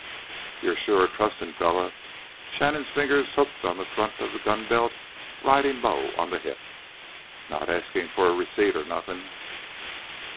"You're sure a trustin' fella." Shannon's fingers hooked to the front of the gun belt riding low on the hip. "Not askin' for no receipt or nothin'...."